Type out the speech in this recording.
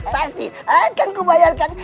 pasti akan kubayarkan